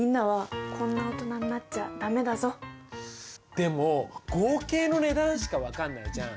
でも合計の値段しか分かんないじゃん。